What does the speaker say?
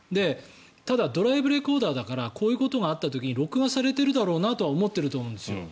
ただ、ドライブレコーダーだからこういうことがあった時に録画されているだろうなと思っているとは思うんですよ。